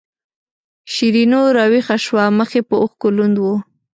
شیرینو راویښه شوه مخ یې په اوښکو لوند و.